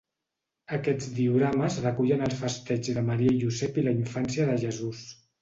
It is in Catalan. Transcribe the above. Aquests diorames recullen el festeig de Maria i Josep i la infància de Jesús.